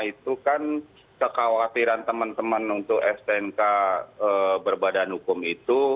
itu kan kekhawatiran teman teman untuk stnk berbadan hukum itu